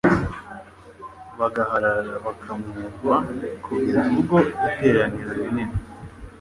bagaharara bakamwumva, kugeza ubwo iteraniro rinini